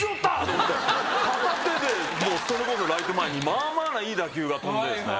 片手でそれこそライト前にまあまあないい打球が飛んでですね